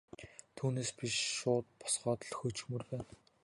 Түүнээс биш шууд босгоод л хөөчихмөөр байна.